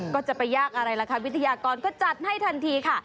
ก็จะไปยากอะไรฤอธิกรก็จัดให้ทันทีค่ะ